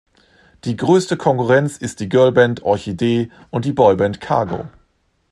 Die größte Konkurrenz ist die Girl-Band „Orchidee“ und die Boyband „Cargo“.